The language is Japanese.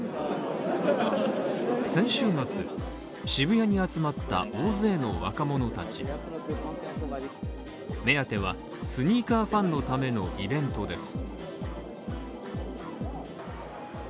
先週末、渋谷に集まった大勢の若者たち目当ては、スニーカーファンのためのイベントです。